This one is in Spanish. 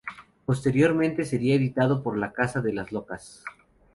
Posteriormente sería editado por La Casa de las Locas.